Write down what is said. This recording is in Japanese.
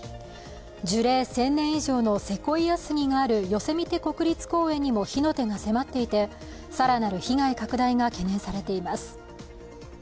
樹齢１０００年以上のセコイア杉があるヨセミテ国立公園にも火の手が迫っていて、更なる被害拡大が懸念されています。